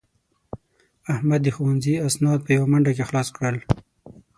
احمد د ښوونځي اسناد په یوه منډه کې خلاص کړل.